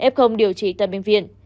f điều trị tại bệnh viện